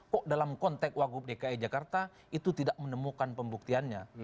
kok dalam konteks wagub dki jakarta itu tidak menemukan pembuktiannya